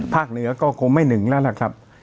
เหนือก็คงไม่หนึ่งแล้วล่ะครับ